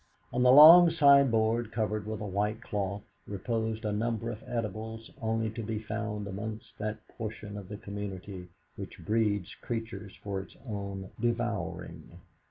On the long sideboard covered with a white cloth reposed a number of edibles only to be found amongst that portion of the community which breeds creatures for its own devouring.